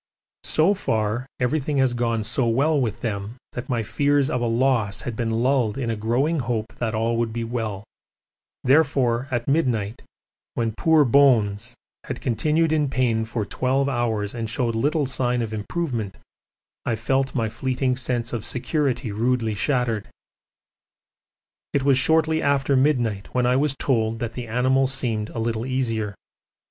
So far everything has gone so well with them that my fears of a loss had been lulled in a growing hope that all would be well therefore at midnight, when poor 'Bones' had continued in pain for twelve hours and showed little sign of improvement, I felt my fleeting sense of security rudely shattered. It was shortly after midnight when I was told that the animal seemed a little easier.